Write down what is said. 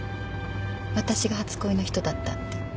私が初恋の人だったって。